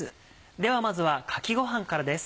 ではまずはかきごはんからです。